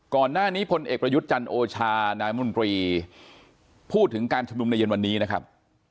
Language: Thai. ก่อนหน้านี้พลเอกประยุทธ์จันทร์โอชานายมนตรีพูดถึงการชุมนุมในเย็นวันนี้นะครับ